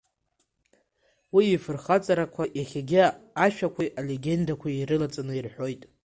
Уи ифырхаҵарақәа иахьагьы ашәақәеи алегендақәеи ирылаҵаны ирҳәоит.